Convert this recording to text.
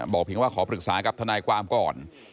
เพียงว่าขอปรึกษากับทนายความก่อน